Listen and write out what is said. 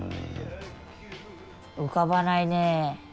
浮かばないねえ。